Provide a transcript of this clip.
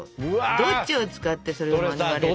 どっちを使ってそれを免れる？